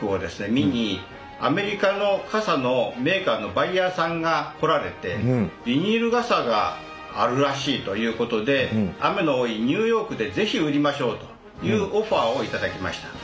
見にアメリカの傘のメーカーのバイヤーさんが来られてビニール傘があるらしいということで「雨の多いニューヨークでぜひ売りましょう！」というオファーを頂きました。